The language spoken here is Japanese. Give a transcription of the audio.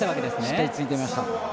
しっかり突いてました。